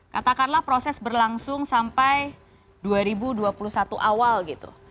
katakanlah proses berlangsung sampai dua ribu dua puluh satu awal gitu